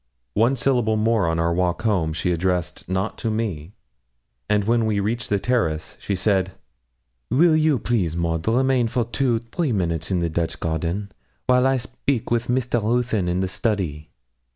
One syllable more, on our walk home, she addressed not to me. And when we reached the terrace, she said 'You will please, Maud, remain for two three minutes in the Dutch garden, while I speak with Mr. Ruthyn in the study.'